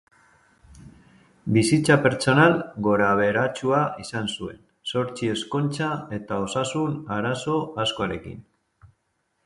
Bizitza pertsonal gorabeheratsua izan zuen, zortzi ezkontza eta osasun arazo askorekin.